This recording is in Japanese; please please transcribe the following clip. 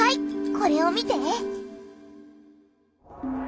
これを見て！